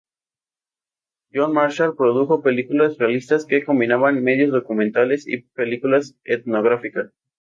John Marshall produjo películas realistas que combinaban medios documentales y película etnográfica.